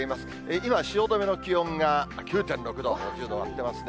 今、汐留の気温が９．６度、１０度割ってますね。